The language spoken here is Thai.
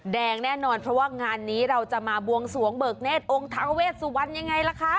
แน่นอนเพราะว่างานนี้เราจะมาบวงสวงเบิกเนธองค์ทาเวสวรรณยังไงล่ะคะ